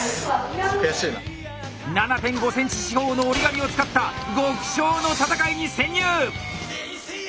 ７．５センチ四方の折り紙を使った極小の戦いに潜入！